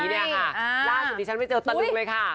ล่าจุดนี้ฉันไม่มีเจอตะนึงเลยค่ะ